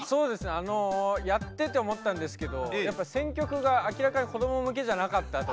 あのやってて思ったんですけどやっぱり選曲が明らかに子ども向けじゃなかったと。